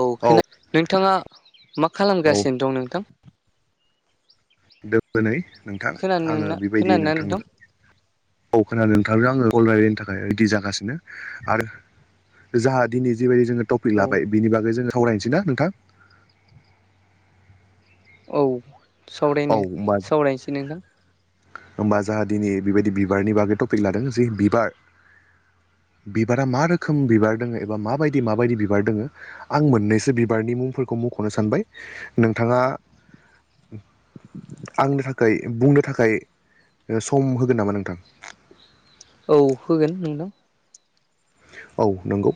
औ खोना नोंथाङा मा औ खालामगासिनो दं नोंथां दोनै नोंथां आङो खोनानोना बेबायदि खोनादोंना नोंथां नोंथांजों औ खोनादों नोंथांजों आङो कल रायलायनो थाखाय रेडि जागासिनो आरो जाहा दिनै जिबायदि जोङो टपिक औ लाबाय बिनि बागै जोङो सावरायनोसै ना नोंथां औ औ सावरायनो होमबा सावरायनोसै नोंथां होमबा जाहा दिनै बेबायदि बिबारनि बागै टपिक लादों जे बिबार बिबारा मा रोखोम बिबार दोङो एबा माबायदि माबायदि बिबार दोङो आं मोननैसो बिबारनि मुंफोरखौ मखनो सानबाय नोंथाङा आंनो थाखाय बुंनो थाखाय सम होगोन नामा नोंथां औ होगोन नोंथां औ नंगौ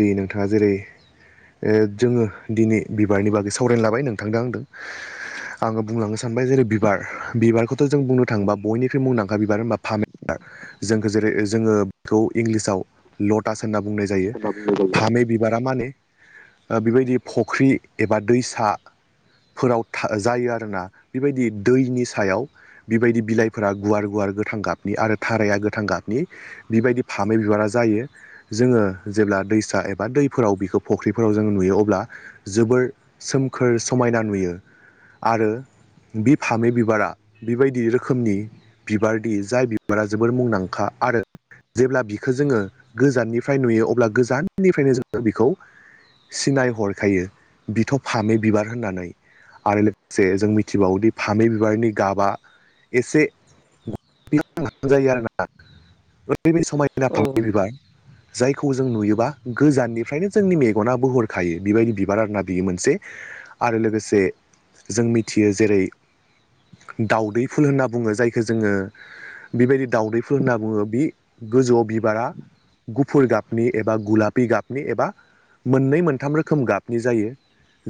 जि नोंथाङा जेरै ओ जोङो दिनै बिबारनि बागै सावरायनो लाबाय नोंथांदों आंदों आङो बुंलांनो सानबाय जेरै बिबार बिबारखौथ जों बुंनो थाङोबा बयनिख्रुइ मुंदांखा बिबार होनबा फामे बिबार जोंखौ जेरै जोङो बेखौ इंलिसाव लटास होनना बुंनाय जा यो फामै बिबारा माने बेबायदि फख्रि एबा दैसा फोराव जायो आरोना बेबायदि दैनि सायाव बेबायदि बिलाइफोरा गुवार गुवार गोथां गाबनि आरो थाराया गोथां गाबनि बिबायदि फामे बिबारा जायो जोङो जेब्ला दैसा एबा दैफोराव बिखौ फुख्रिफोराव जों नुयो अब्ला जोबोर सोमखोर समायना नुयो आरो बे फामे बिबारा बेबायदि रोखोमनि बिबारदि जाय बिबारा जोबोर मुंदांखा आरो जेब्ला बिखो जोङो गोजाननिफ्राय नुयो अब्ला गोजाननिफ्रायनो जोङो बेखौ सिनाय हरखायो बिथ फामे बिबार होननानै आरो लोगोसे जों मिथिबावोदि फामे बिबारनि गाबा एसे [unintelligible] जायो आरोना ओरैबायदि समायना औ फामि बिबार जायखौ जों नुयोबा गोजाननिफ्रायनो जोंनि मेगन बोहरखायो बेबायदि बिबार आरोना बियो मोनसे आरो लोगोसे जों मिथियो जेरै दाउदै फुल होनना बुङो जायखौ जोङो बेबायदि दाउदैफोर होनना बुङो बे गोजौआव बिबारा गुफुर गाबनि एबा गुलापि गाबनि एबा मोननै मोनथाम रोखोम गाबनि जायो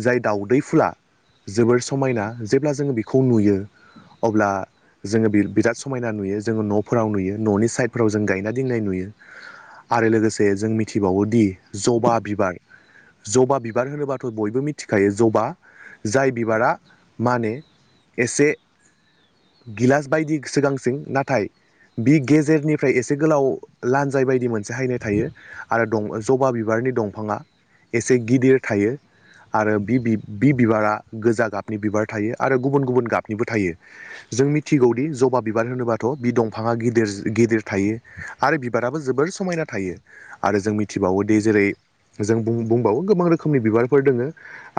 जाय दाउदै फुला जोबोर समायना जेब्ला जोङो बेखौ नुयो अब्ला जोङो बिराद समायना नुयो जोङो न'फोराव नुयो न'नि साइडफोराव जों गायना दोननाय नुयो आरो लोगोसे जों मिथिबावोदि जबा बिबार जबा बिबार होनोबाथ' बयबो मिथिखायो जबा जाय बिबारा माने एसे गिलास बायदि सिगांसिन नाथाय बि गेजेरनिफ्राय एसे गोलाव लान्जाय बायदि मोनसे हायनाय थायो आरो दं जबा बिबारनि दंफाङा एसे गिदिर थायो आरो बि बि बिबारा गोजा गाबनि बिबार थायो आरो गुबुन गुबुन गाबनिबो थायो जों मिथिगौदि जबा बिबार होनोबाथ' बि दंफाङा गिदिर गिदिर थायो आरो बिबाराबो जोबोर समायना थायो आरो जों मिथिबावोदि जेरै जों बुंबावो गोबां रोखोमनि बिबारफोर दोङो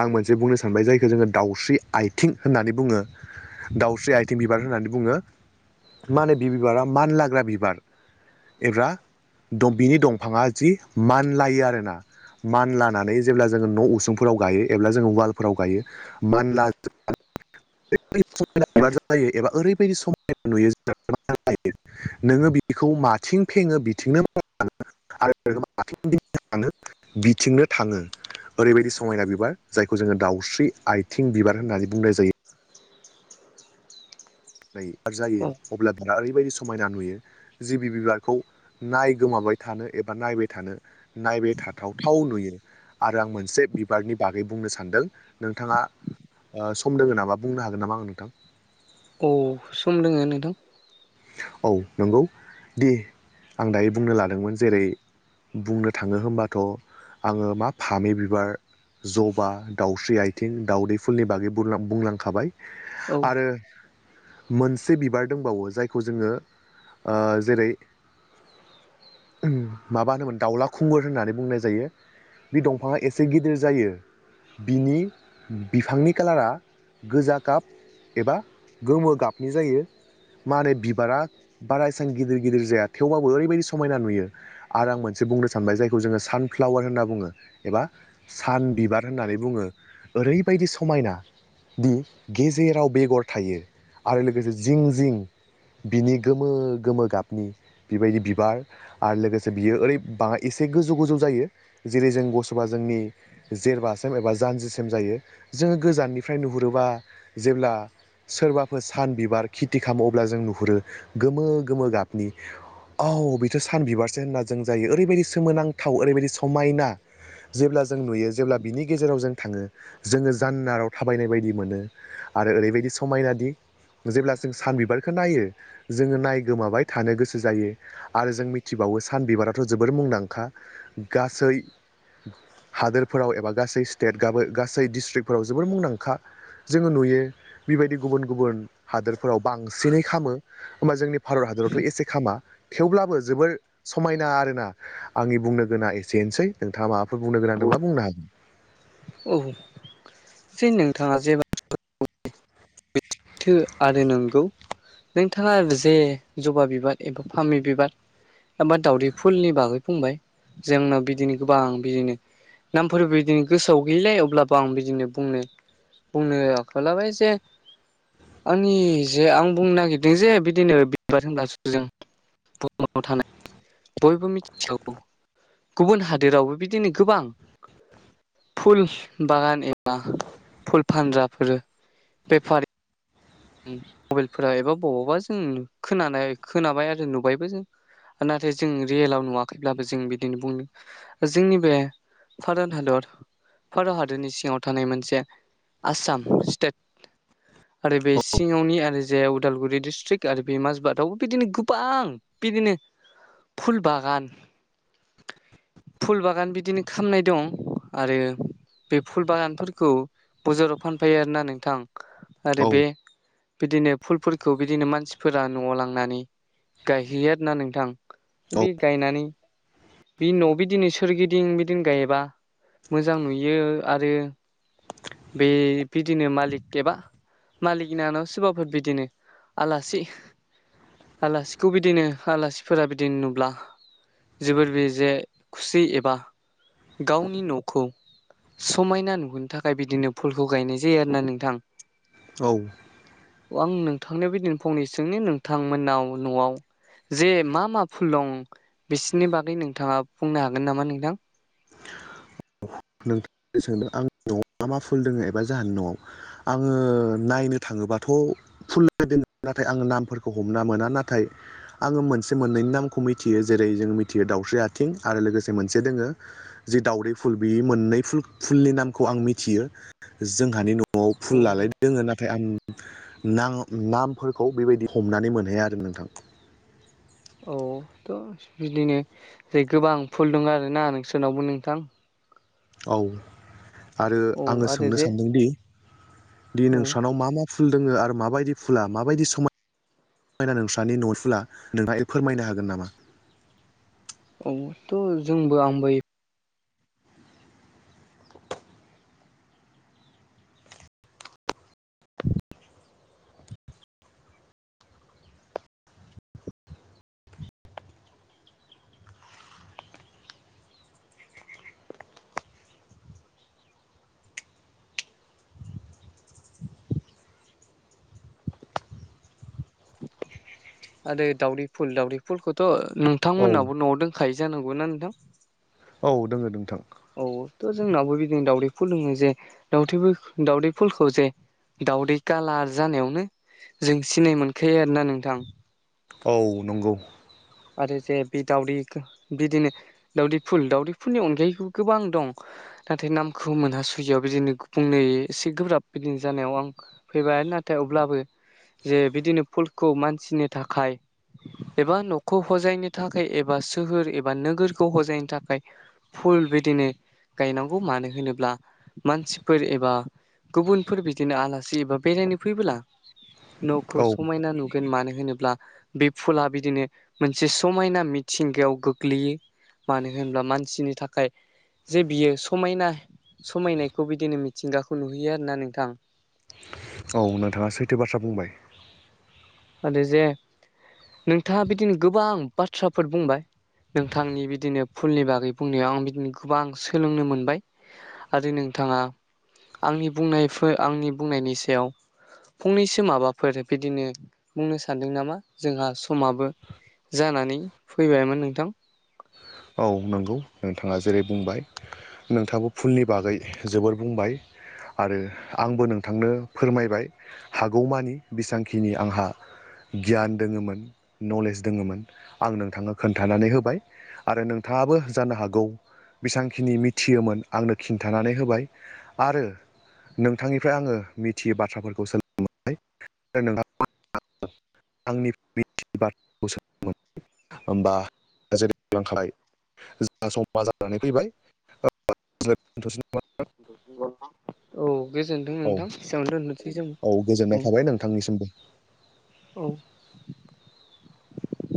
आं मोनसे बुंनो सानबाय जायखौ जोङो दावस्रि आथिं होननानै बुङो दाउस्रि आइथिं बिबार होननानै बुङो मा होनो बे बिबारा मानलाग्रा बिबार एबा बिनि दंफाङा जि मानलायो आरोना मान लानानै जेब्ला जोङो न' उसुंफोराव गायो एब्ला जोङो उालफोराव गायो मानला समायना जायो एबा ओरैबायदि समायना नुयो जे नोङो बेखौ माथिं फेङो बिथिंनो माव आरो आ बिथिंनो थाङो ओरैबायदि समायना बिबार जायखौ जोङो दावस्रि आथिं बिबार होननानै बुंनाय जायो नाय जायो औ अब्ला बि ओरैबायदि समायना नुयो जिबि बिबारखौ नायगोमाबाय थानो एबा नायबाय थानो नायबाय थाथावथाव नुयो आरो आं मोनसे बिबारनि बागै बुंनो सानदों नोंथाङा सम दङ नामा बुंनो हागोन नामा आं नोंथां औ सम दोङो नोंथां औ नंगौ दे आं दायो बुंनो लादोंमोन जेरै बुंनो थाङो होनबाथ' आङो मा फामि बिबार जबा दाउस्रि आथिं दाउदै फुलनि बागै बुंलांखाबाय औ आरो मोनसे बिबार दंबाव जाय खौ जोङो जेरै माबा होनोमोन दाउला खुंगुर होननानै बुंनाय जायो बे दंफाङा एसे गिदिर जायो बिनि बिफांनि खाालारा गोजा गाब एबा गोमो गाबनि जायो मा होनै बिबारा बारा इसां गिदिर गिदिर जाया थेवबाबो ओरैबायदि समायना नुयो आरो आं मोनसे बुंनो सानबाय जायखौ जोङो सानफ्लावार होनना बुङो एबा सान बिबार होननानै बुङो ओरैबायदि समायना दि गेजेराव बेगर थायो आरो लोगोसे जिं जिं बिनि गोमो गोमो गाबनि बेबायदि बिबार आरो लोगोसे बियो ओरै बाङा एसे गोजौ गोजौ जायो जेरै जों गसबा जोंनि जेरबासेम एबा जानजिसिम जायो जोङो गोजाननिफ्राय नुहुरोबा जेब्ला सोरबाफोर सान बिबार खेथि खालामो अब्ला जों नुहुरो गोमो गोमो गाबनि औ बेथ' सान बिबारसो होनना जों जायो ओरैबायदि सोमोनांथाव ओरैबायदि समायना जेब्ला जों नुयो जेब्ला बिनि गेजेराव जों थाङो जोङो जानगाराव थाबायनाय बायदि मोनो आरो ओरैबायदि समायनादि जेब्ला जों सानबिबार बेखौ नायो जोङो नाय गोमाबाय थानो गोसो जायो आरो जों मिथिबावो सान बिबाराथ' जोबोर मुंदांखा गासै। हादोरफोराव एबा गासै स्टेट गाब गासै डिस्ट्रिक्टफोराव जोबोर मुंदांखा जोङो नुयो बेबायदि गुबुन गुबुन हादोरफोराव बांसिनै खामो होमबा जोंनि भारत हादरावथ' एसे खामा थेवब्लाबो जोबोर समायना आरोना आंनि बुंनो गोनां एसेनोसै नोंथाङा माबाफोर बुंनो गोनां दंबा बुंनो हागोन‌। औ जे नोंथाङा जेबो थो आरो नंगौ नोंथाङा जे जबा बिबार एबा फामि बिबार एबा दावदै फुलनि बागै बुंबाय जोंनाव बिदिनो गोबां बिदिनो नामफोर बिदिनो गोसोआव गैयैलाय अब्लाबो आं बिदिनो बुंनो [unintelligible] आंनि जे आं बुंनो नागिरदों जे बिदिनो बिबार होनों बुाव थानाय बयबो मिथिगौ गुबुन हादोरावबो बिदिनो गोबां फुल बागान एबा फुल फानग्राफोर बेफारि मबाइलफोरा एबा बबावबा जों खोनानाय खोनाबाय आरो नुबायबो जों नाथाय जों रियेलाव नुवाखैब्लाबो जों बिदिनो बुंनो। जोंनि बे भारत हादर भारत हादरनि सिङाव थानाय मोनसे आसाम स्टेट आरो बे औ सिङावनि आरो जाय उदालगुरि डिस्ट्रिक्ट आरो बे माजबाादावबो बिदिनो गोबां। बिदिनो फुल बागान फुल बागान बिदिनो खामनाय दं आरो। बे फुल बागानफोरखौ बाजाराव फानफैायो आरोना नोंथां आरो बे बिदिनो फुलफोरखौ बिदिनो मानसिफोरा न'आव लांनानै। गायहैया ना नोंथां औ बे गायनानै बिनि उनाव बिदिननो सोरगिदिं बिदिनो गायोबा मोजां नुयो आरो बे बिदिनो मालिक एबा मालिकनिनानाव सोरबाफोर बिदिनो आलासि आलासिखौ बिदिनो आलासिफोरा बिदिनो नुब्ला जोबोर बे जे खुसि एबा गावनि न'खौ समायना नुहरनो थाखाय बिदिनो फुलखौ गायनाय जायो आरो ना नोंथां। औ। आं नोंथांनि बिदिन फंनैसोनि नोंथांमोननाव न'आव जे मा मा फुल दं बिसनि बागै नोंथाङा बुंनो हागोन नामा नोंथां। नोंथां सोंदों आंनि न'आव मा मा फुल दोङ एबा जाहानि न'आव आङो नायनो थाङोबाथ' फुल दोन नाथाय आङ नामफोरखौ हमना मोना नाथाय आङो मोनसे मोननैनि नामखौ मिथियो जेरै जों मिथियो दाावस्रि आथिं आरो लोगोसे मोनसे दोङो। जि दावदै फुल बियो मोननै फुल फुलनि नामखौ आं मिथियो जोंहानि न'आव औ फुल लालाय दोङो नाथाय आं नाथाय नामफोरखौ बेबायदि हमनानै मोनहैाया आरो नोंथां। औ थ' बिदिनो जै गोबां फुल दङ आरोना नोंसोरनावबो नोंथां। औ आरो औ आङो आरो सोंनो जे सानदोंदि दि औ नोंस्रानाव मा मा फुल दोङो आरो माबायदि फुला माबायदि समाय समायना नोंस्रानि नटसुला नोंथाङा फोरमायनो हागोन नामा? औ थ' जोंबो आंबो [inaudible] आरो दावदै फुल दाावदै फुलखौथ' औ नोंथांमोनहाबो न'आव दंखायो जानांगौना नोंथां। औ दोङो नोंथां औथ' जोंनावबो बिदिनो दाावदै फुल दोङो जे दावदै दावदै फुलखौ जे दावदै कालार जानायावनो जों सिनाय मोनखायो आरोना नोंथां औ नंगौ आरो जे बे दावदैखौ बिदिनो दाावदै फुल दाावदै फुलनि अनगायैबो गोबां दं नाथाय नामखौ मोनहासुयियाव बिदिनोनै एसे गोब्राब बिदिनो जानायाव आं फैबाय नाथाय अब्लाबो जे बिदिनो फुलखौ मानसिनि थाखाय एबा न'खौ हजायनो थाखाय एबा सोहोर एबा नोगोरखौ हजायनो थाखाय फुल बिदिनो गायनांगौ मानो होनोब्ला मानसिफोर एबा गुबुनफोर बिदिनो आलासि एबा बेरायनो फैबोला न'खौ औ समायना नुगोन मानो होनोब्ला बे फुला बिदिनो मोनसे समायना मिथिंगायाव गोग्लैयो मानो होन्ला मानसिनि थाखाय जे बियो समायना समायनायखौ बिदिनो मिथिंगाखौ नुहैयो आरोना नोंथां औ नोंथाङा सैथो बाथ्रा बुंबाय आरो जे नोंथाङा बिदिनो गोबां बाथ्राफोर बुंबाय नोंथांनि बिदिनो फुलनि बागै बुंनायाव आं बिदिनो गोबां सोलोंनो मोनबाय आरो नोंथाङा आंनि बुंनायफोर आंनि बुंनायनि सायाव फंनैसो माबाफोर बिदिनो बुंनो सानदों नामा जोंहा समाबो जानानै फैबायमोन नोंथां। बुं नांगौ नोंथाङा जेरै बुंबाय नोंथाङो फुलनि बागै जोबोर बुंबाय आरो आंबो नोंथांनो फोरमायबाय हागौमानि बेसांखिनि आंहा गियान दोङोमोन। नलेज दङोममोन आं नोंथाङनो खोन्थानानै होबाय आरो नोंथाङाबो जानो हागौ। बेसबांखिनि मिथियोमोन आंनो खिन्थानानै होबाय आरो नोंथांनिफ्राय आङो मिथियै बाथ्राफोरखौ सोलोंनोबाय नोंथां आंनि [unintelligible] होमबा जेरै [unintelligible] जों समा जानानै फैबाय औ गोजोनथों औ नोंथां बेसेबांनो दोन औ गोजोननाय थाबाय नोंथांनिसिमबो औ